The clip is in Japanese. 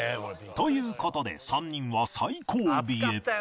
という事で３人は最後尾へ